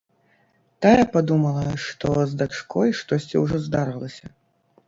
Тая падумала, што з дачкой штосьці ўжо здарылася.